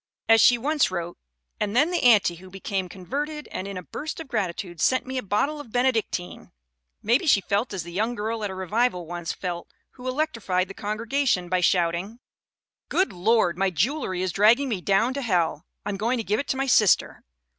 As she once wrote: "And then the anti who became converted and in a burst of gratitude sent me a bottle of Benedictine! * 'Maybe she felt as the young girl at a revival once felt who electrified the congregation by shouting : 338 THE WOMEN WHO MAKE OUR NOVELS " 'Good Lord ! My jewelry is dragging me down to hell I am going to give it to my sister